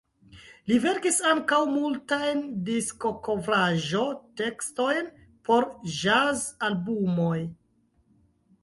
Li verkis ankaŭ multajn diskokovraĵo-tekstojn por ĵaz-albumoj.